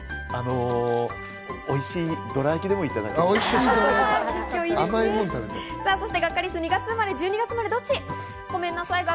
おいしいどら焼でもいただければ。